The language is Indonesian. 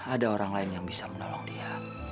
ada orang lain yang bisa menolong dia